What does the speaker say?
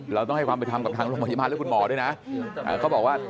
เราต้องให้ภาพไปทำกับทางโรมพยาบาลหรือคุณหมอก็ได้นะ